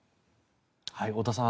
太田さん